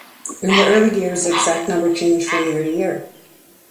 In the early years, the exact number changed from year to year.